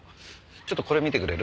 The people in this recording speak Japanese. ちょっとこれ見てくれる？